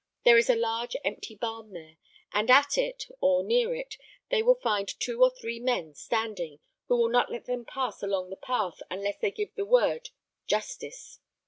There is a large empty barn there; and at it, or near it, they will find two or three men standing, who will not let them pass along the path unless they give the word, 'Justice.'